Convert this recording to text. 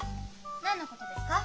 何のことですか？